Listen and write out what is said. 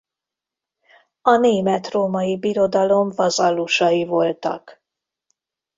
A Német-római Birodalom vazallusai voltak.